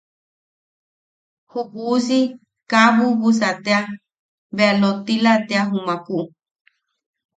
Ju uusi kaa bubusa tea, bea lottila tea jumakuʼu.